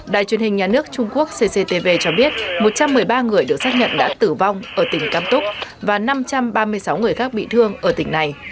đài truyền hình nhà nước trung quốc cctv cho biết một trăm một mươi ba người được xác nhận đã tử vong ở tỉnh cam túc và năm trăm ba mươi sáu người khác bị thương ở tỉnh này